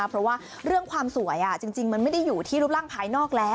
เพราะว่าเรื่องความสวยจริงมันไม่ได้อยู่ที่รูปร่างภายนอกแล้ว